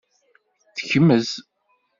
Tekmez.